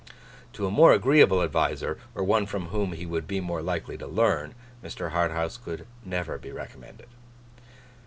To a more agreeable adviser, or one from whom he would be more likely to learn, Mr. Harthouse could never be recommended.